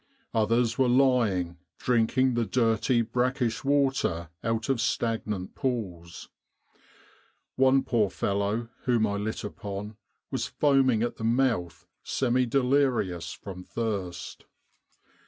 Others were lying, drinking the dirty brackish water out of stagnant pools. One poor fellow, whom I lit upon, was foaming at the mouth, semi delirious from thirst.